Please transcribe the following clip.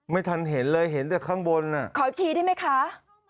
ไม่ทันเห็นเลยเห็นแต่ข้างบนอ่ะขออีกทีได้ไหมคะ